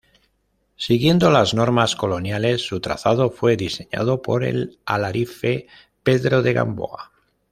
Siguiendo las normas coloniales su trazado fue diseñado por el alarife Pedro de Gamboa.